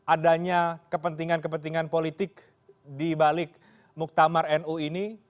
adanya kepentingan kepentingan politik di balik muktamar nu ini